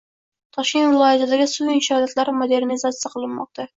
Toshkent viloyatidagi suv inshootlari modernizatsiya qilinmoqda